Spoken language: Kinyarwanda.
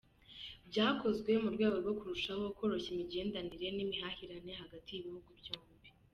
Byakozwe mu rwego rwo kurushaho koroshya imigenderanire n’imihahiranire hagati y’ibihugu byombi.